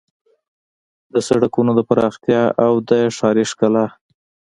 د سړکونو د پراختیا او د ښاري ښکلا